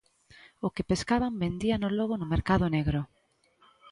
O que pescaban vendíano logo no mercado negro.